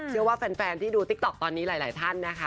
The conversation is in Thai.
แฟนที่ดูติ๊กต๊อกตอนนี้หลายท่านนะคะ